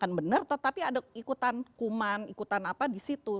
bukan benar tetapi ada ikutan kuman ikutan apa di situ